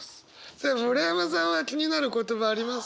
さあ村山さんは気になる言葉ありますか？